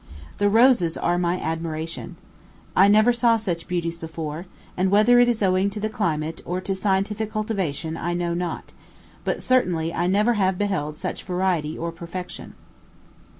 The roses are my admiration. I never saw such beauties before; and whether it is owing to the climate, or to scientific cultivation, I know not, but certainly I never have beheld such variety or perfection.